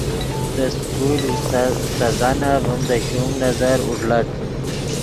دے سکول استاذانف ڤیم دے شوم نظر اوݱڑت